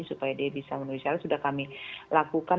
supaya dia bisa menulis syarat sudah kami lakukan